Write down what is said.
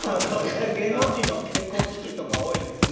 芸能人の結婚式とか多いですよね。